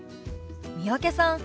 三宅さん